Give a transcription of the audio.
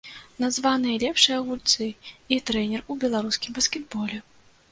Названыя лепшыя гульцы і трэнер у беларускім баскетболе.